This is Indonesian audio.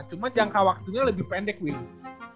cuma jangka waktunya lebih pendek begitu